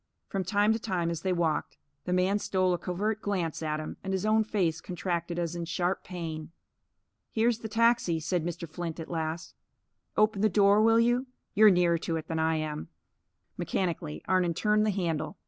From time to time, as they walked, the man stole a covert glance at him, and his own face contracted as in sharp pain. "Here's the taxi," said Mr. Flint at last. "Open the door, will you? You're nearer to it than I am." Mechanically, Arnon turned the handle.